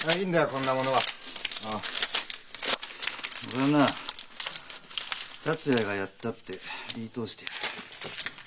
俺はな達也がやったって言い通してやる。